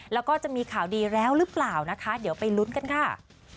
แล้วก็จะมีข่าวดีแล้วหรือเปล่านะคะเดี๋ยวไปลุ้นกันค่ะ